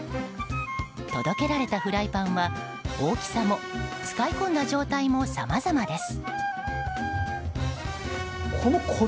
届けられたフライパンは大きさも、使い込んだ状態もさまざまです。